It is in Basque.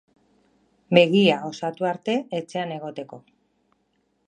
Begia osatu arte etxean egoteko.